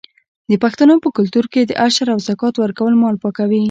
د پښتنو په کلتور کې د عشر او زکات ورکول مال پاکوي.